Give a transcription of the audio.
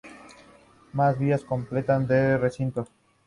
Más vías completan el recinto.